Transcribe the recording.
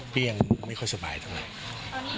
ยังไม่ค่อยสบายเท่าไหร่